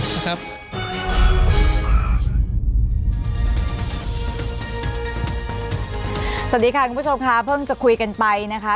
สวัสดีค่ะคุณผู้ชมค่ะเพิ่งจะคุยกันไปนะคะ